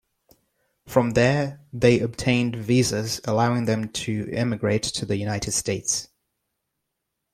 From there, they obtained visas allowing them to emigrate to the United States.